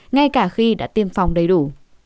ngay cả khi đã tiêm phòng đầy đủ